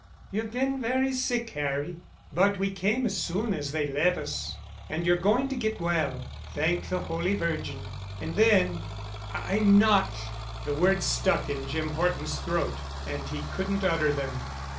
"You've been very sick, Harry. But we came as soon as they'd let us. And you're going to get well, thank the Holy Virgin, and then——" "I'm not——" the words stuck in Jim Horton's throat. And he couldn't utter them.